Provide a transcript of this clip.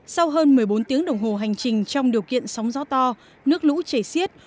sau hơn một mươi bốn tiếng đồng hồ hành trình trong điều kiện sóng gió to nước lũ chảy xiết